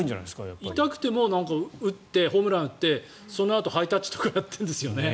痛くてもホームラン打ってそのあとハイタッチとかやってるんですよね。